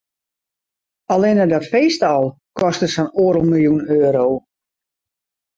Allinne dat feest al koste sa'n oardel miljoen euro.